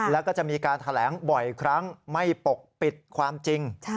แล้วก็จะมีการแถลงบ่อยครั้งไม่ปกปิดความจริง